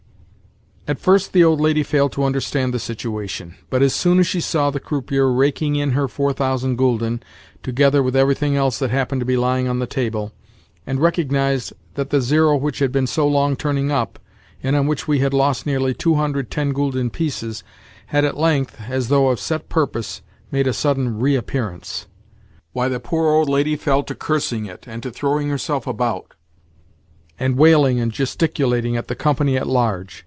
At first the old lady failed to understand the situation; but, as soon as she saw the croupier raking in her four thousand gülden, together with everything else that happened to be lying on the table, and recognised that the zero which had been so long turning up, and on which we had lost nearly two hundred ten gülden pieces, had at length, as though of set purpose, made a sudden reappearance—why, the poor old lady fell to cursing it, and to throwing herself about, and wailing and gesticulating at the company at large.